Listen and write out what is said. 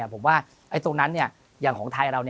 ผมว่าตรงนั้นอย่างของไทยเรา